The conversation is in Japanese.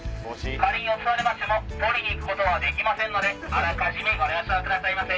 仮に落とされましても取りに行くことできませんのであらかじめご了承くださいませ。